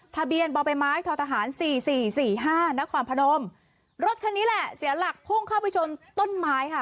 ทะเบียนบไปไม้ททหาร๔๔๔๕นพนมรถคันนี้แหละเสียหลักพุ่งเข้าไปชนต้นไม้ค่ะ